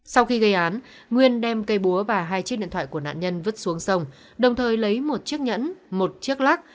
sau khi gây án nguyên đem cây búa và hai chiếc điện thoại của nạn nhân vứt xuống sông đồng thời lấy một chiếc nhẫn một chiếc lắc